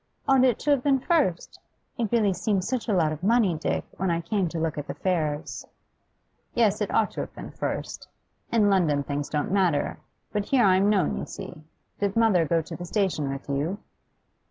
'Ought it to have been first? It really seemed such a lot of money, Dick, when I came to look at the fares.' 'Yes, it ought to have been first. In London things don't matter, but here I'm known, you see. Did mother go to the station with you?